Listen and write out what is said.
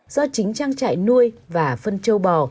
do chính trang trại nuôi và phân châu bò